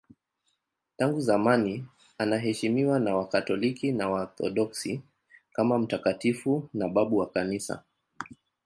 Tangu zamani anaheshimiwa na Wakatoliki na Waorthodoksi kama mtakatifu na babu wa Kanisa.